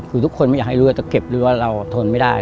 คือทุกคนไม่อยากให้รู้ว่าจะเก็บหรือว่าเราทนไม่ได้